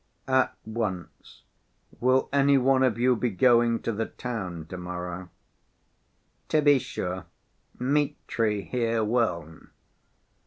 "At once. Will any one of you be going to the town to‐morrow?" "To be sure. Mitri here will."